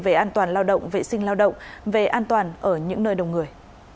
về an toàn lao động vệ sinh lao động về an toàn ở những nơi đông người